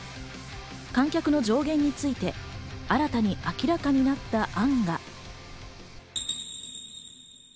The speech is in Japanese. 観客の上限について新たに明らかになった案が。